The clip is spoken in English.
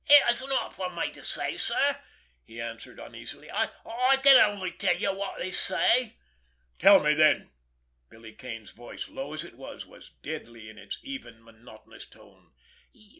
"It's not for me to say sir," he answered uneasily. "I—I can only tell you what they say." "Tell me, then!" Billy Kane's voice, low as it was, was deadly in its even, monotonous tone.